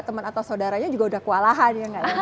temen atau saudaranya juga udah kewalahan ya enggak ya